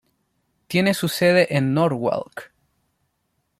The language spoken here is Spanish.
Tiene su sede en Norwalk.